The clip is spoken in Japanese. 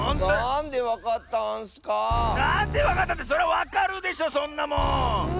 なんでわかったってそりゃわかるでしょそんなもん！